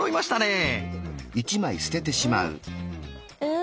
うん？